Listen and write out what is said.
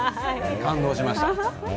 感動しました。